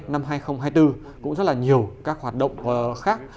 năm hai nghìn hai mươi bốn cũng rất là nhiều các hoạt động khác